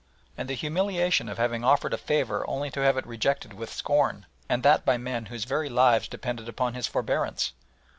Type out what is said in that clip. And the humiliation of having offered a favour only to have it rejected with scorn, and that by men whose very lives depended upon his forbearance!